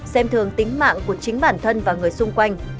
xem thường tính mạng của chính bản thân và người xung quanh